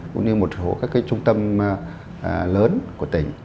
cũng như một số các trung tâm lớn của tỉnh